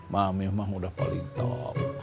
mami emang udah paling top